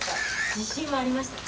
自信はありました？